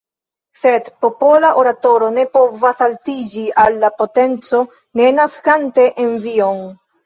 Sed popola oratoro ne povas altiĝi al la potenco, ne naskante envion.